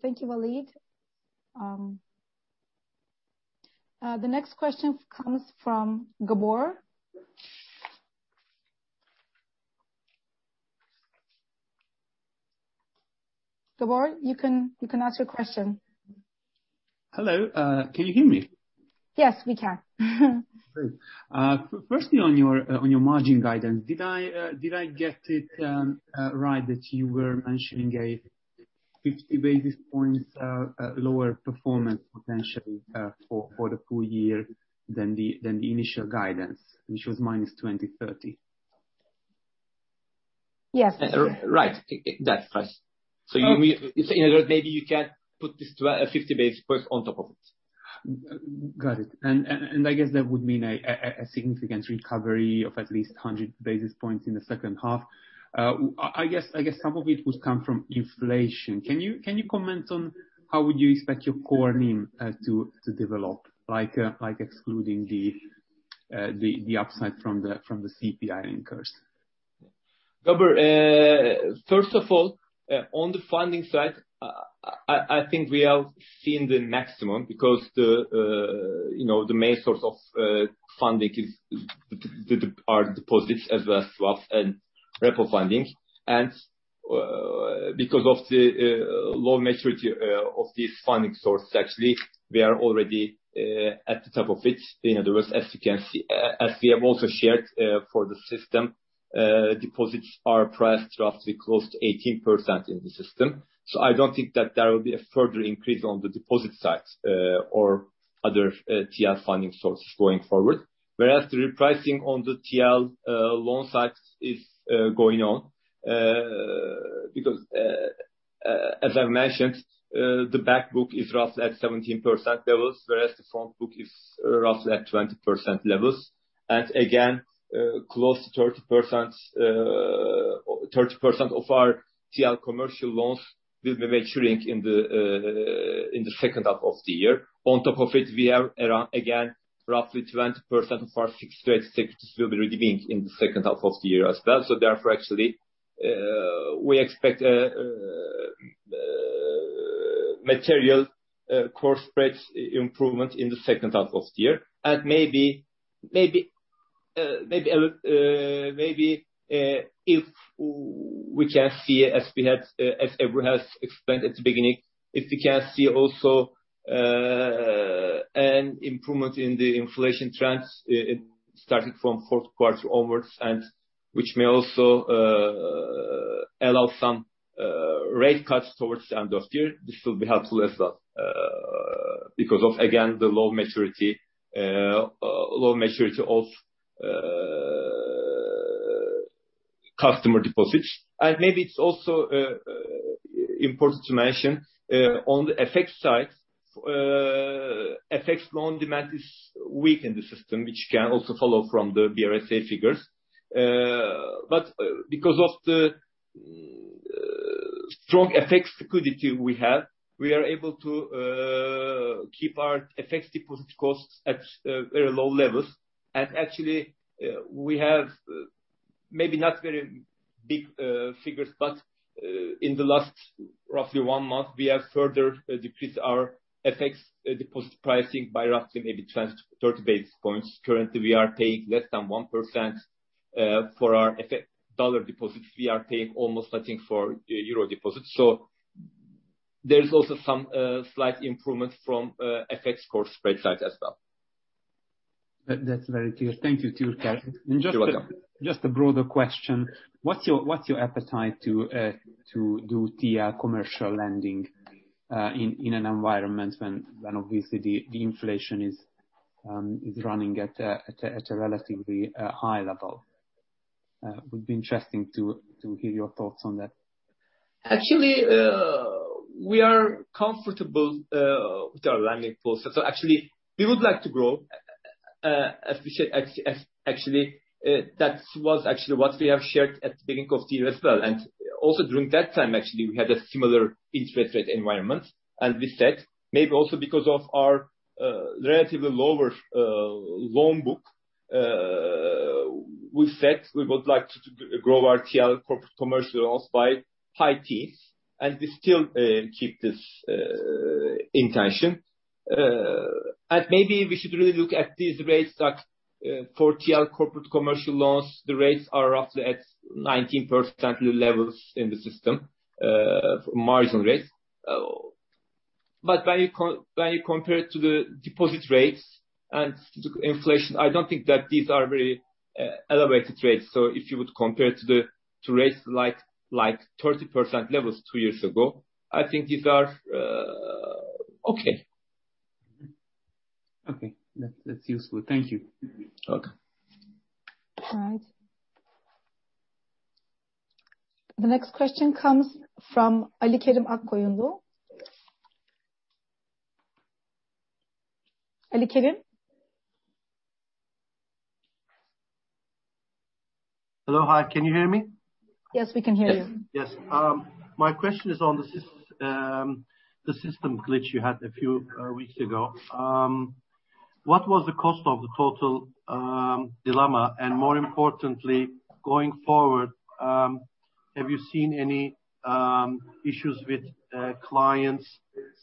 Thank you, Waleed. The next question comes from Gábor. Gábor, you can ask your question. Hello. Can you hear me? Yes, we can. Great. Firstly, on your margin guidance, did I get it right that you were mentioning a 50 basis points lower performance potentially for the full year than the initial guidance, which was -20, -30? Yes. Right. That's right. In other words, maybe you can put this 50 basis points on top of it. I guess that would mean a significant recovery of at least 100 basis points in the second half. I guess some of it would come from inflation. Can you comment on how would you expect your core NIM to develop, excluding the upside from the CPI linkers? Gábor, first of all, on the funding side, I think we have seen the maximum because the main source of funding are deposits as well as swap and repo funding. Because of the low maturity of these funding sources, actually, we are already at the top of it. In other words, as we have also shared for the system, deposits are priced roughly close to 18% in the system. I don't think that there will be a further increase on the deposit side or other TL funding sources going forward. Whereas the repricing on the TL loan side is going on, because as I mentioned, the back book is roughly at 17% levels, whereas the front book is roughly at 20% levels. Again, close to 30% of our TL commercial loans will be maturing in the second half of the year. On top of it, we have around, again, roughly 20% of our fixed rate securities will be redeeming in the second half of the year as well. Therefore, actually, we expect material core spreads improvement in the second half of the year. Maybe if we can see, as Ebru has explained at the beginning, if we can see also an improvement in the inflation trends, it started from fourth quarter onwards, and which may also allow some rate cuts towards the end of the year. This will be helpful as well because of, again, the low maturity of customer deposits. Maybe it's also important to mention, on the FX side, FX loan demand is weak in the system, which you can also follow from the BRSA figures. Because of the strong FX liquidity we have, we are able to keep our FX deposit costs at very low levels. Actually, we have maybe not very big figures, but in the last roughly one month, we have further decreased our FX deposit pricing by roughly maybe 20 basis points-30 basis points. Currently, we are paying less than 1% for our FX dollar deposits. We are paying almost nothing for euro deposits. There's also some slight improvements from FX core spread side as well. That's very clear. Thank you, Türker. You're welcome. Just a broader question. What's your appetite to do TL commercial lending in an environment when obviously the inflation is running at a relatively high level? It would be interesting to hear your thoughts on that. Actually, we are comfortable with our lending process. Actually, we would like to grow. Actually, that was what we have shared at the beginning of the year as well. Also during that time, actually, we had a similar interest rate environment. We said, maybe also because of our relatively lower loan book, we said we would like to grow our TL corporate commercial loans by high teens, and we still keep this intention. Maybe we should really look at these rates, that for TL corporate commercial loans, the rates are roughly at 19% levels in the system, margin rates. When you compare it to the deposit rates and the inflation, I don't think that these are very elevated rates. If you would compare it to rates like 30% levels two years ago, I think these are okay. Okay. That's useful. Thank you. You're welcome. All right. The next question comes from Ali Kerim Akkoyunlu. Ali Kerim? Hello. Hi, can you hear me? Yes, we can hear you. Yes. My question is on the system glitch you had a few weeks ago. What was the cost of the total damage, and more importantly, going forward, have you seen any issues with clients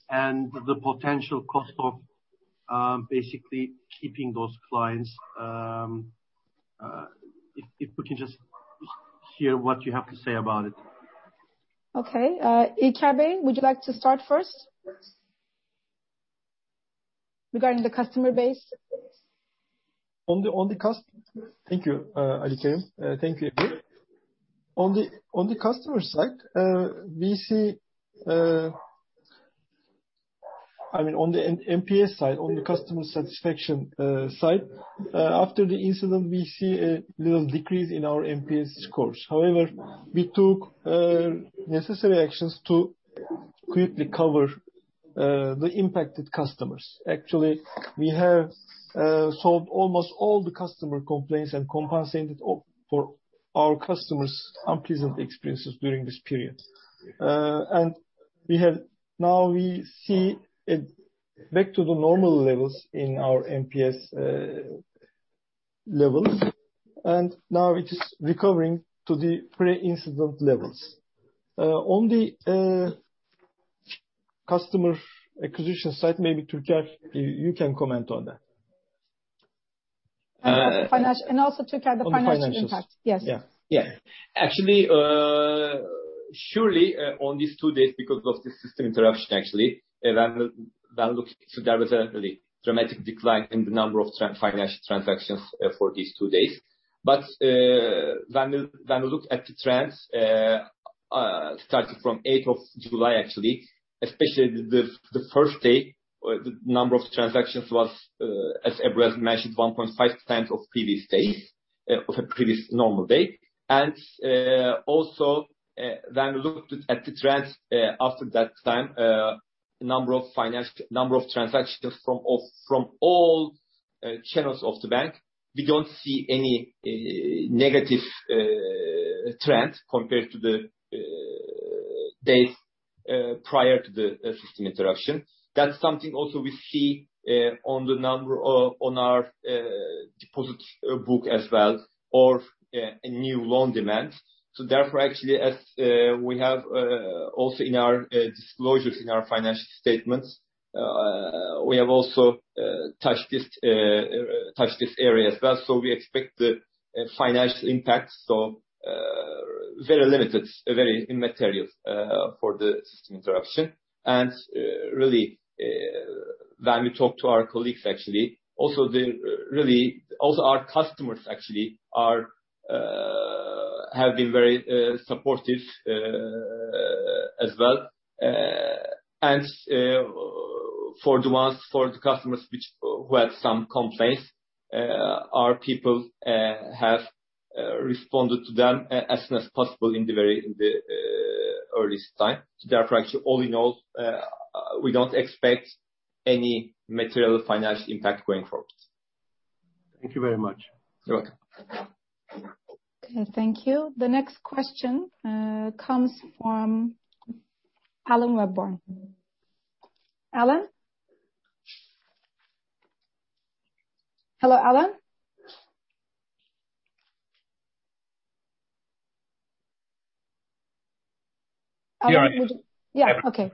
and the potential cost of basically keeping those clients? If we can just hear what you have to say about it. Okay. İlker, would you like to start first? Regarding the customer base. Thank you, Ali Kerim. Thank you, Ebru. On the NPS side, on the customer satisfaction side, after the incident, we see a little decrease in our NPS scores. We took necessary actions to quickly cover the impacted customers. Actually, we have solved almost all the customer complaints and compensated for our customers' unpleasant experiences during this period. Now we see it back to the normal levels in our NPS levels, and now it is recovering to the pre-incident levels. On the customer acquisition side, maybe Türker, you can comment on that. Also, Türker, the financial impact. On the financials. Yes. Actually, surely, on these two days, because of the system interruption, there was a really dramatic decline in the number of financial transactions for these two days. When we look at the trends, starting from 8th of July, actually, especially the first day, the number of transactions was, as Ebru has mentioned, 1.5% of a previous normal day. Also, when we looked at the trends after that time, number of transactions from all channels of the bank, we don't see any negative trend compared to the days prior to the system interruption. That's something also we see on our deposit book as well, or a new loan demand. Therefore, actually, as we have also in our disclosures in our financial statements, we have also touched this area as well. We expect the financial impact, so very limited, very immaterial for the system interruption. Really, when we talk to our colleagues, actually, also our customers actually, have been very supportive as well. For the customers who had some complaints, our people have responded to them as soon as possible in the earliest time. Actually, all in all, we don't expect any material financial impact going forward. Thank you very much. You're welcome. Okay, thank you. The next question comes from Alan Webborn. Alan? Hello, Alan? You're all right. Yeah, okay.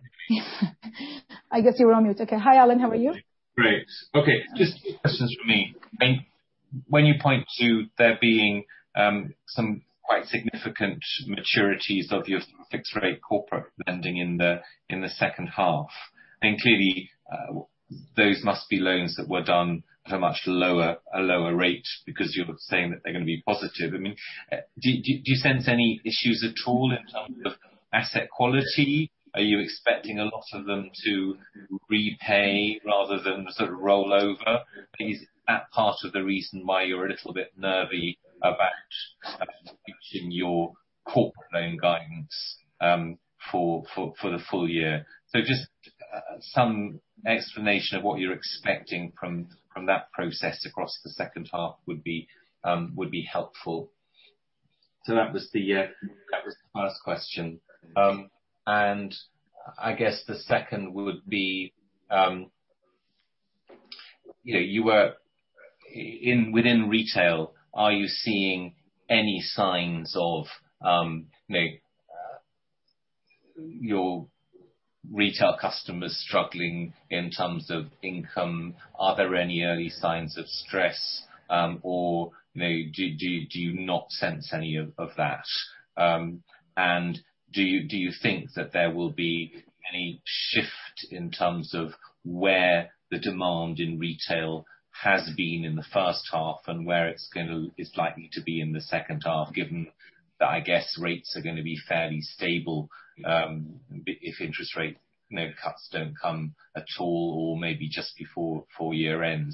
I guess you were on mute. Okay. Hi, Alan. How are you? Great. Okay. Just two questions from me. When you point to there being some quite significant maturities of your fixed rate corporate lending in the second half, clearly, those must be loans that were done at a much lower rate because you're saying that they're going to be positive. Do you sense any issues at all in terms of asset quality, are you expecting a lot of them to repay rather than roll over? Is that part of the reason why you're a little bit nervy about reaching your corporate loan guidance for the full year? Just some explanation of what you're expecting from that process across the second half would be helpful. That was the first question. I guess the second would be, within retail, are you seeing any signs of your retail customers struggling in terms of income? Are there any early signs of stress? Do you not sense any of that? Do you think that there will be any shift in terms of where the demand in retail has been in the 1st half and where it's likely to be in the second half, given that, I guess, rates are going to be fairly stable, if interest rate cuts don't come at all or maybe just before year-end?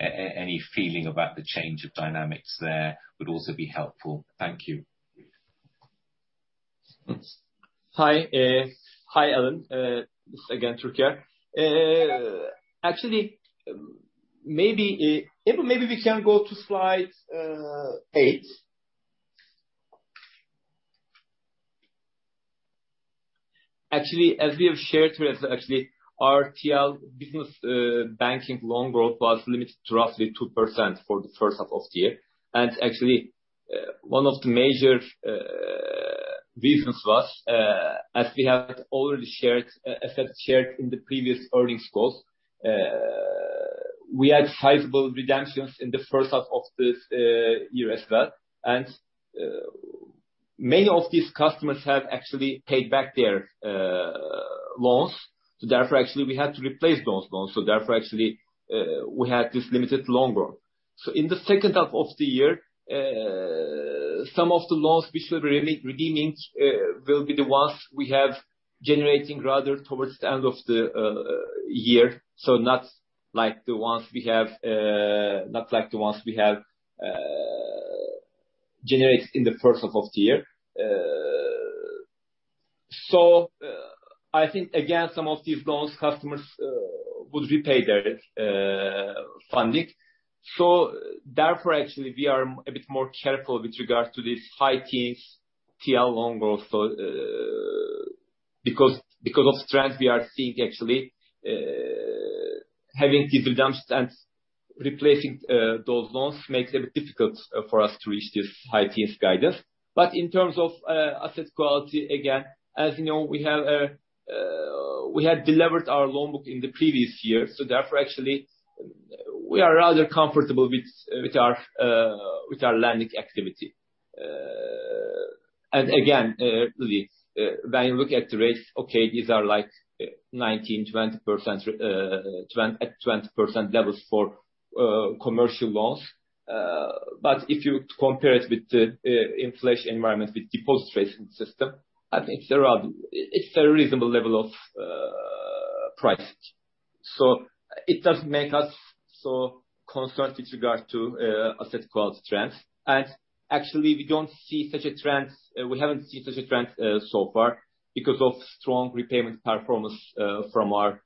Any feeling about the change of dynamics there would also be helpful. Thank you. Hi, Alan. This again, Türker. Ebru, maybe we can go to slide eight. As we have shared with, actually our TL business banking loan growth was limited to roughly 2% for the first half of the year. Actually, one of the major reasons was, as we have already shared, effect shared in the previous earnings calls, we had sizable redemptions in the first half of this year as well. Many of these customers have actually paid back their loans. Therefore, actually, we had to replace those loans. Therefore, actually, we had this limited loan growth. In the second half of the year, some of the loans we should be redeeming will be the ones we have generating rather towards the end of the year. Not like the ones we have generated in the first half of the year. I think, again, some of these loans customers would repay their funding. Therefore, actually, we are a bit more careful with regards to this high teens TL loan growth. Because of trends we are seeing actually, having these redemptions and replacing those loans makes a bit difficult for us to reach this high teens guidance. In terms of asset quality, again, as you know, we had delivered our loan book in the previous year. Therefore, actually, we are rather comfortable with our lending activity. Again, when you look at the rates, okay, these are like 19%, 20% levels for commercial loans. If you compare it with the inflation environment, with deposit rates in the system, I think it's a reasonable level of pricing. It doesn't make us so concerned with regards to asset quality trends. Actually, we haven't seen such a trend so far because of strong repayment performance from our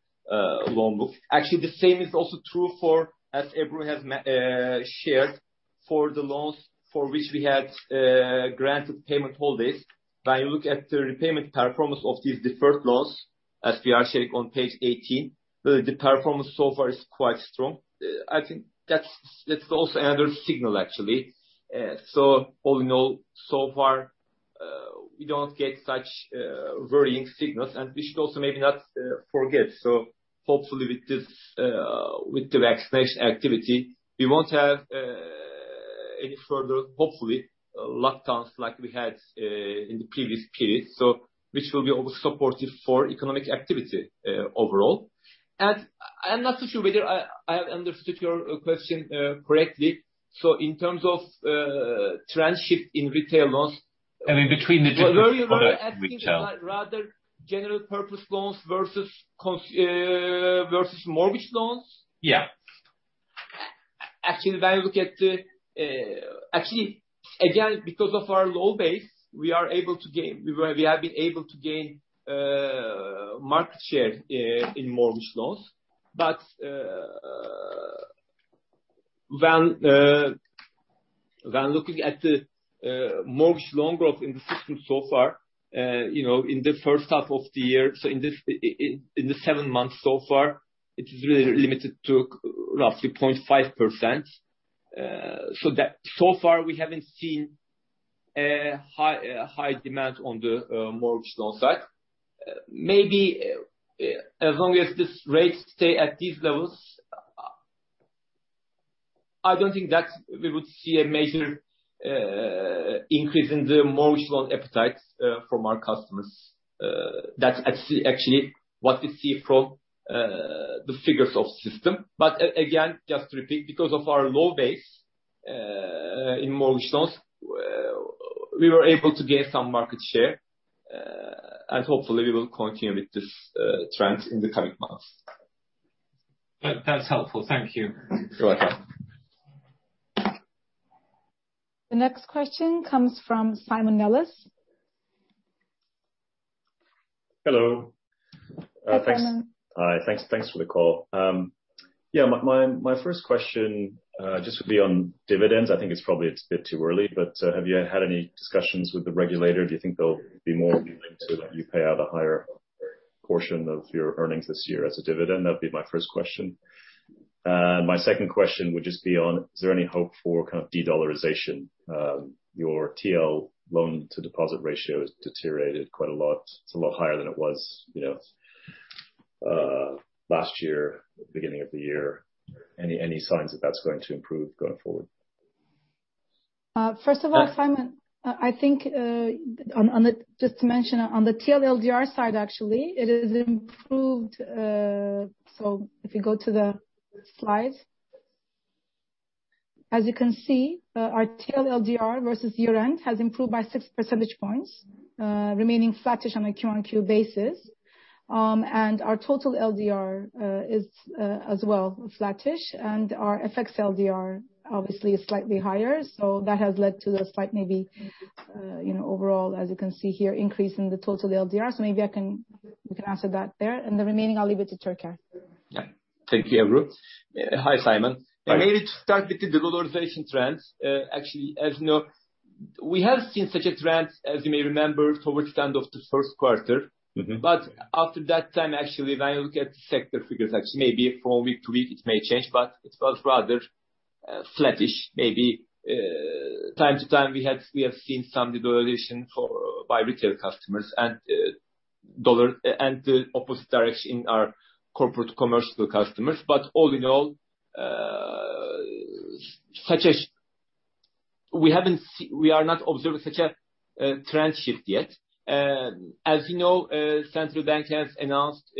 loan book. Actually, the same is also true for, as Ebru has shared, for the loans for which we had granted payment holidays. When you look at the repayment performance of these deferred loans, as we are sharing on page 18, the performance so far is quite strong. I think that's also another signal, actually. All in all, so far we don't get such worrying signals. We should also maybe not forget, hopefully with the vaccination activity, we won't have any further, hopefully, lockdowns like we had in the previous period. Which will be also supportive for economic activity overall. I'm not so sure whether I have understood your question correctly. In terms of trend shift in retail loans. I mean, between the different products in retail. Were you rather asking about rather general purpose loans versus mortgage loans? Yeah. Actually, again, because of our low base, we have been able to gain market share in mortgage loans. When looking at the mortgage loan growth in the system so far, in the first half of the year, so in the seven months so far, it is really limited to roughly 0.5%. So far we haven't seen a high demand on the mortgage loan side. Maybe as long as these rates stay at these levels, I don't think that we would see a major increase in the mortgage loan appetite from our customers. That's actually what we see from the figures of system. Again, just to repeat, because of our low base, in mortgage loans, we were able to gain some market share, and hopefully we will continue with this trend in the coming months. That's helpful. Thank you. You're welcome. The next question comes from Simon Nellis. Hello. Hi, Simon. Hi. Thanks for the call. My first question just would be on dividends. I think it's probably a bit too early, but have you had any discussions with the regulator? Do you think they'll be more willing to let you pay out a higher portion of your earnings this year as a dividend? That'd be my first question. My second question would just be on, is there any hope for de-dollarization? Your TL loan-to-deposit ratio has deteriorated quite a lot. It's a lot higher than it was last year, beginning of the year. Any signs that that's going to improve going forward? First of all, Simon, just to mention, on the TL LDR side, actually, it has improved. If you go to the slide. As you can see, our TL LDR versus year end has improved by six percentage points, remaining flattish on a QoQ basis. Our total LDR is as well flattish, and our FX LDR obviously is slightly higher. That has led to a slight maybe, overall, as you can see here, increase in the total LDR. Maybe we can answer that there. The remaining, I'll leave it to Türker. Yeah. Thank you, Ebru. Hi, Simon. Maybe to start with the de-dollarization trends. Actually, as you know, we have seen such a trend, as you may remember, towards the end of the first quarter. After that time, actually, when you look at the sector figures, actually, maybe from week to week, it may change, but it was rather flattish. Maybe time to time, we have seen some de-dollarization by retail customers and the opposite direction in our corporate commercial customers. All in all, we are not observing such a trend shift yet. As you know, central bank has announced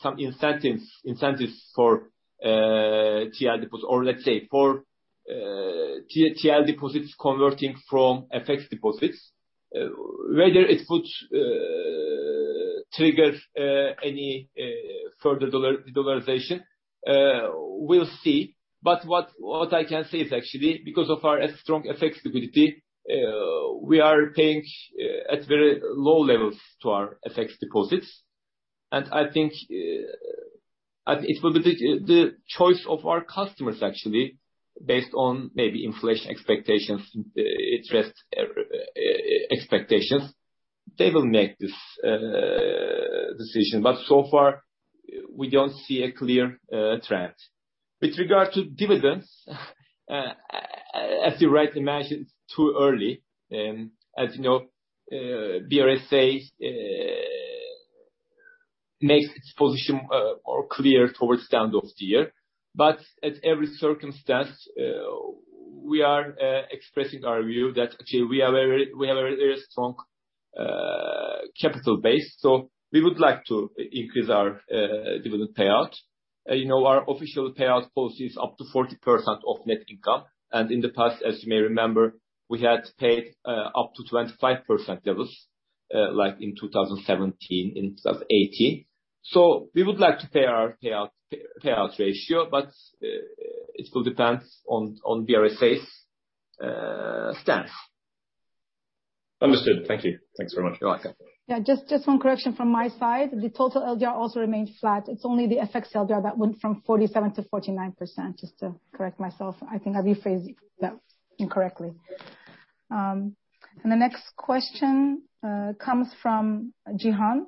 some incentives for TL deposits, or let's say, for TL deposits converting from FX deposits. Whether it could trigger any further de-dollarization, we'll see. What I can say is actually, because of our strong FX stability, we are paying at very low levels to our FX deposits. I think it will be the choice of our customers, actually, based on maybe inflation expectations, interest expectations. They will make this decision. So far, we don't see a clear trend. With regard to dividends, as you rightly mentioned, it's too early. As you know, BRSA makes its position more clear towards the end of the year. At every circumstance, we are expressing our view that actually we have a very strong capital base. We would like to increase our dividend payout. Our official payout policy is up to 40% of net income. In the past, as you may remember, we had paid up to 25% levels, like in 2017 and 2018. We would like to pay our payout ratio, but it will depend on BRSA's stance. Understood. Thank you. Thanks very much. You're welcome. Yeah, just one correction from my side. The total LDR also remained flat. It's only the FX LDR that went from 47%-49%, just to correct myself. I think I rephrased that incorrectly. The next question comes from Cihan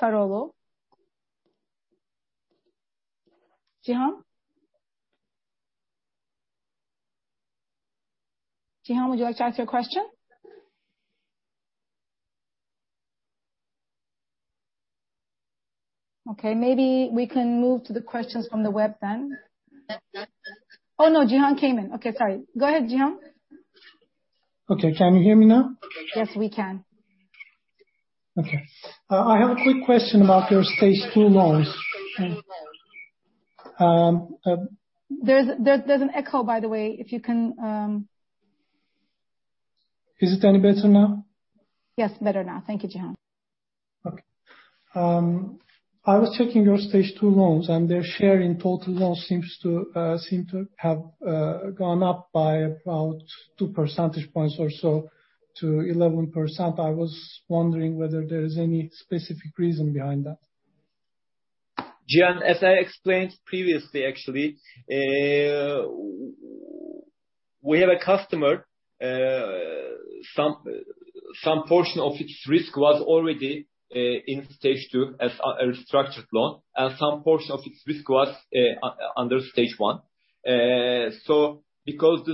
Saraoğlu. Cihan? Cihan, would you like to ask your question? Okay, maybe we can move to the questions from the web then. Oh, no, Cihan came in. Okay, sorry. Go ahead, Cihan. Okay. Can you hear me now? Yes, we can. Okay. I have a quick question about your Stage 2 loans. There's an echo, by the way, if you can Is it any better now? Yes, better now. Thank you, Cihan. Okay. I was checking your Stage 2 loans, and their share in total loans seem to have gone up by about two percentage points or so to 11%. I was wondering whether there is any specific reason behind that. Cihan, as I explained previously, actually, we have a customer, some portion of its risk was already in Stage 2 as a structured loan, and some portion of its risk was under Stage 1. Because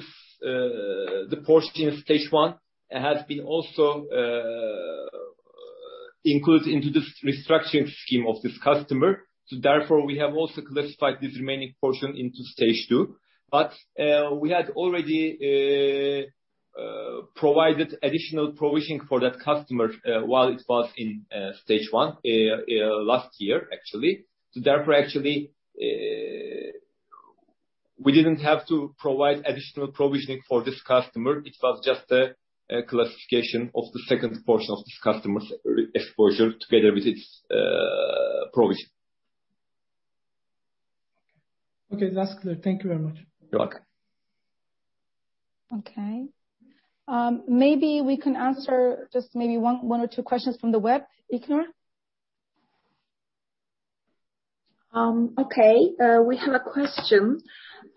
the portion in Stage 1 has been also included into this restructuring scheme of this customer, therefore, we have also classified this remaining portion into Stage 2. We had already provided additional provisioning for that customer while it was in Stage 1 last year, actually. Therefore, actually, we didn't have to provide additional provisioning for this customer. It was just a classification of the second portion of this customer's exposure together with its provision. Okay. That's clear. Thank you very much. You're welcome. Okay. Maybe we can answer just maybe one or two questions from the web. Ilknur? Okay. We have a question.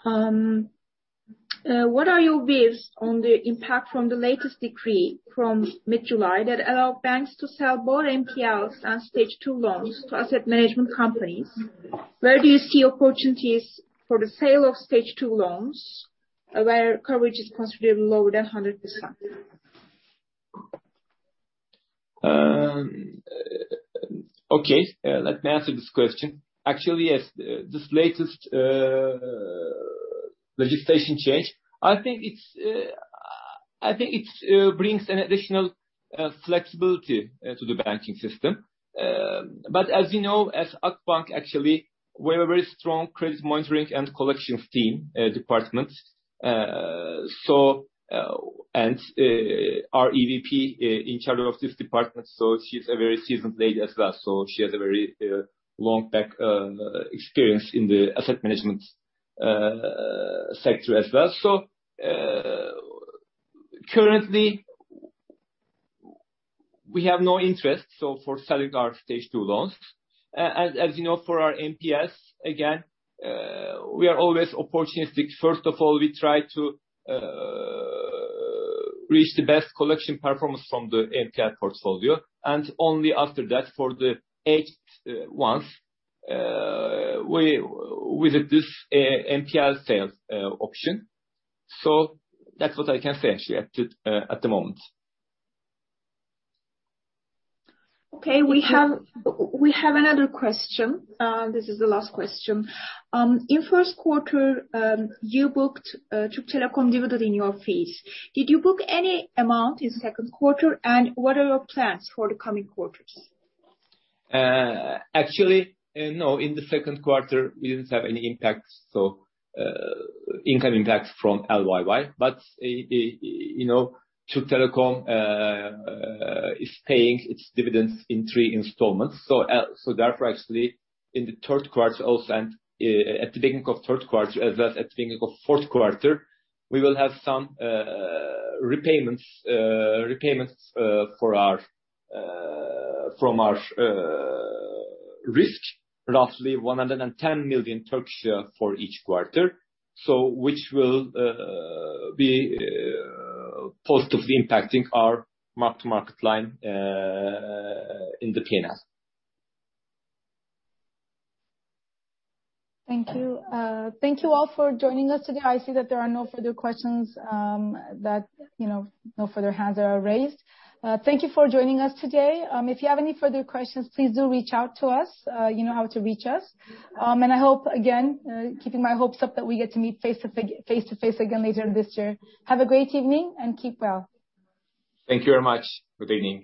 What are your views on the impact from the latest decree from mid-July that allow banks to sell both NPLs and Stage 2 loans to asset management companies? Where do you see opportunities for the sale of Stage 2 loans where coverage is considerably lower than 100%? Okay. Let me answer this question. Actually, yes. This latest legislation change, I think it brings an additional flexibility to the banking system. As you know, as Akbank, actually, we're a very strong credit monitoring and collections team, department. Our EVP in charge of this department, she's a very seasoned lady as well. She has a very long experience in the asset management sector as well. Currently, we have no interest for selling our Stage 2 loans. As you know, for our NPLs, again, we are always opportunistic. First of all, we try to reach the best collection performance from the NPL portfolio, and only after that, for the aged ones, with this NPL sales option. That's what I can say, actually, at the moment. Okay. We have another question. This is the last question. In first quarter, you booked Türk Telekom dividend in your fees. Did you book any amount in second quarter? What are your plans for the coming quarters? Actually, no. In the second quarter, we didn't have any income impact from LYY. Türk Telekom is paying its dividends in three installments. Therefore, actually, in the third quarter also and at the beginning of third quarter, as well as at the beginning of fourth quarter, we will have some repayments from our risk, roughly 110 million for each quarter, which will be positively impacting our mark-to-market line in the P&L. Thank you. Thank you all for joining us today. I see that there are no further questions, no further hands are raised. Thank you for joining us today. If you have any further questions, please do reach out to us. You know how to reach us. I hope, again, keeping my hopes up that we get to meet face-to-face again later this year. Have a great evening, and keep well. Thank you very much. Good evening.